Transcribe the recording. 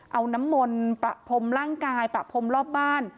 เอาน้ำมนต์ประพรมร่างกายประพรมรอบบ้าน